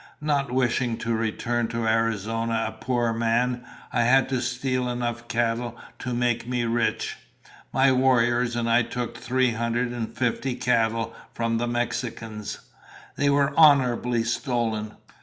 Not wishing to return to Arizona a poor man, I had to steal enough cattle to make me rich. My warriors and I took three hundred and fifty cattle from the Mexicans. They were honorably stolen.